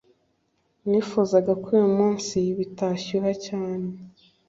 Nifuzaga ko uyu munsi bitashyuha cyane